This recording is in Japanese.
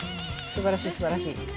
すばらしいすばらしい。